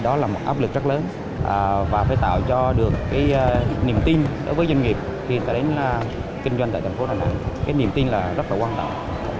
đó là một áp lực rất lớn và phải tạo cho được niềm tin với doanh nghiệp kinh doanh tại thành phố đà nẵng niềm tin là rất quan trọng